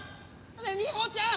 ねえみほちゃん！